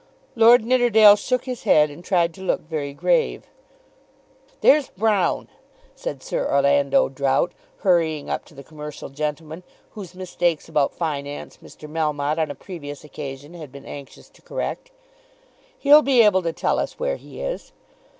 Lord Nidderdale shook his head and tried to look very grave. "There's Brown," said Sir Orlando Drought, hurrying up to the commercial gentleman whose mistakes about finance Mr. Melmotte on a previous occasion had been anxious to correct. "He'll be able to tell us where he is.